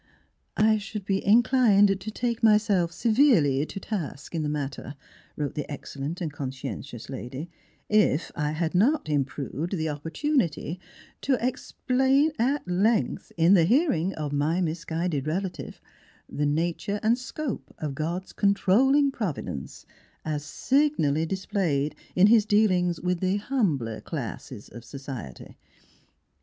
'' I should be inclined to take my self severely to task in the matter," wrote the excellent and conscientious lady, ^'if I had not improved the oppor 55 The Transfiguration of tunity to explain at length, in the hearing of my misguided relative, the nature and scope of God's controlling provi dence, as signally displayed in His dealings with the humbler classes of society.